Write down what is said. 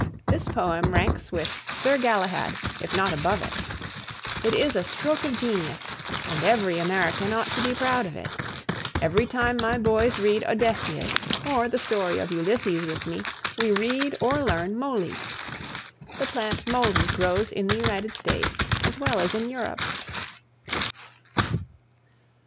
This poem ranks with "Sir Galahad," if not above it. It is a stroke of genius, and every American ought to be proud of it. Every time my boys read "Odysseus" or the story of Ulysses with me we read or learn "Moly." The plant moly grows in the United States as well as in Europe.